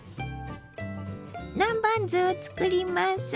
南蛮酢をつくります。